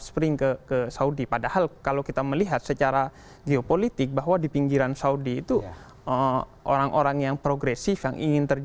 spring ke saudi padahal kalau kita melihat secara geopolitik bahwa di pinggiran saudi itu orang orang